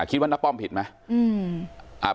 คิดว่านักป้อมผิดไหม